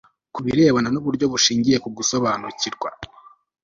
ku birebana n uburyo bushingiye ku gusobanukirwa